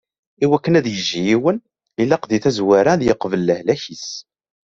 Iwakken ad yejji yiwen, ilaq di tazwara ad yeqbel lehlak-is.